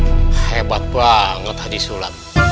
wah hebat banget haji sulam